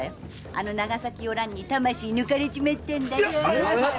あの長崎おらんに魂を抜かれちまったんだろ。